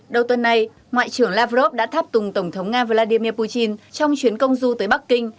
đầu tuần này ngoại trưởng lavrov đã thắp tùng tổng thống nga vladimir putin trong chuyến công du tới bắc kinh